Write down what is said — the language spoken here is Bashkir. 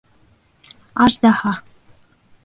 Аждаһа